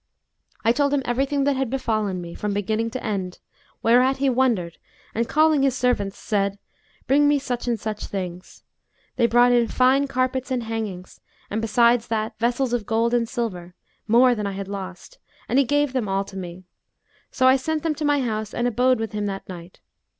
I told him everything that had befallen me, from beginning to end, whereat he wondered and calling his servants, said, 'Bring me such and such things.' They brought in fine carpets and hangings and, besides that, vessels of gold and silver, more than I had lost, and he gave them all to me; so I sent them to my house and abode with him that night.